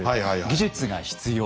技術が必要。